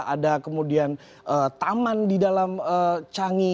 ada kemudian taman di dalam canggih